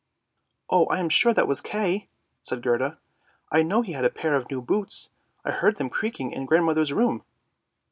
" Oh, I am sure that was Kay! " said Gerda; " I know he had a pair of new boots, I heard them creaking in grandmother's room."